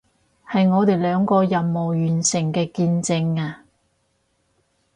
係我哋兩個任務完成嘅見證啊